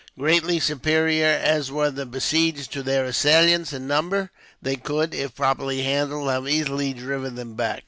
Greatly superior as were the besieged to their assailants in number, they could, if properly handled, have easily driven them back.